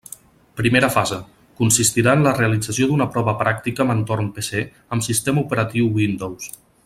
Primera fase: consistirà en la realització d'una prova pràctica amb entorn PC amb sistema operatiu Windows.